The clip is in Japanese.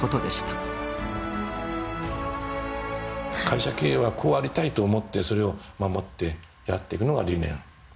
会社経営はこうありたいと思ってそれを守ってやってくのが理念なわけです。